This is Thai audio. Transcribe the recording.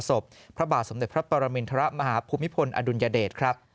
สบพระบาทสมเดชพระปรมินทระมหาภูมิพลอดุนยาเดตครับ